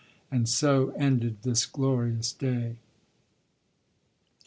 And so ended this glorious day."